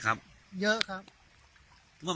ไท้ถูกเมือง